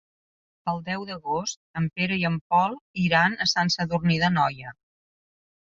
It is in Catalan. El deu d'agost en Pere i en Pol iran a Sant Sadurní d'Anoia.